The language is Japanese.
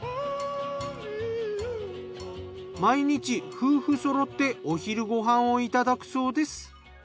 毎日夫婦そろってお昼ご飯をいただくそうです。